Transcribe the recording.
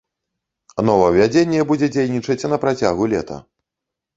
Новаўвядзенне будзе дзейнічаць на працягу лета.